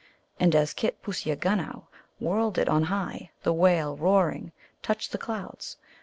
And as Kitpooseagunow whirled it on high, the whale, roaring, touched the clouds.